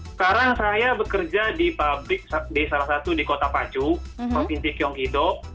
sekarang saya bekerja di pabrik salah satu di kota pacu pinti kiongkido